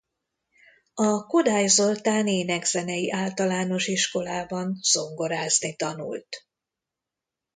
A Kodály Zoltán Ének-Zenei Általános Iskolában zongorázni tanult.